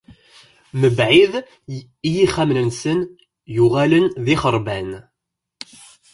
Mebɛid i yixxamen-nsen yuɣalen d ixeṛban.